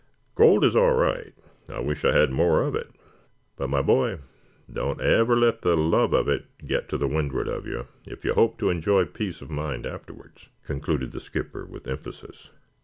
Gold is all right. I wish I had more of it; but, my boy, don't ever let the love of it get to the windward of you if you hope to enjoy peace of mind afterwards," concluded the skipper with emphasis.